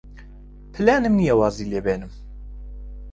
پلانم نییە وازی لێ بێنم.